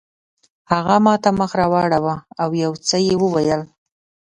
هغه ماته مخ راواړاوه او یو څه یې وویل.